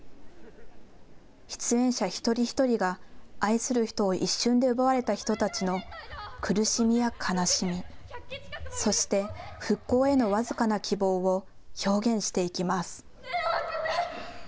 出演者一人一人が、愛する人を一瞬で奪われた人たちの苦しみや悲しみ、そして復興への僅かな希望を表現していきます。